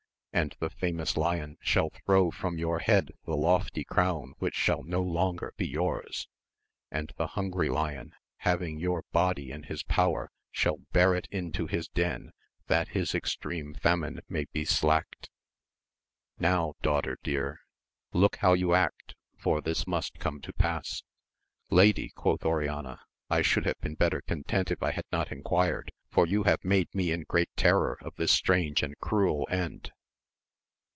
And the famous lion shall throw from your head the lofty crown which shall no longer be yours, and the hungry lion having your body in his power shall bear it into his den that his extreme famine may be slacked. Now daughter dear, look how you act, for this must come to pass ! Lady, quoth Oriana, I should have been better content if I had not enquired, for you have made me in great terror of this strange and cruel end.